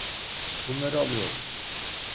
Bunları alıyorum.